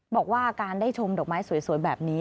บอกว่าการได้ชมดอกไม้สวยแบบนี้